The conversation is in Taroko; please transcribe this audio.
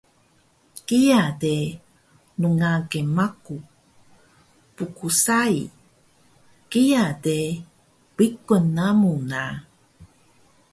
Kiya de rngage maku. Pgsai, kiya de biqun namu na